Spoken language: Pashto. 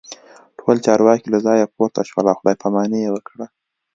ټول چارواکي له ځایه پورته شول او خداي پاماني یې وکړه